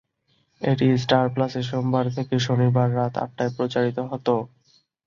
এটি স্টার প্লাসে সোমবার থেকে শনিবার রাত আটটায় প্রচারিত হত।